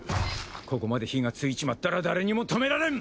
ここまで火がついちまったら誰にも止められん！